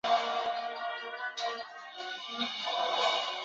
北岳是日本重要的登山圣地。